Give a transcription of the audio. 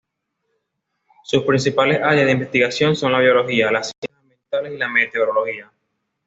Sus principales áreas de investigación son la biología, las ciencias ambientales y la meteorología.